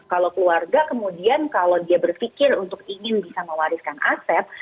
kalau keluarga kemudian kalau dia berpikir untuk ingin bisa mewariskan aset